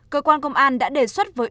cơ quan công an đã đề xuất với